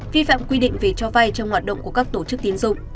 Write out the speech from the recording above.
vi phạm quy định về cho vai trong hoạt động của các tổ chức tín dụng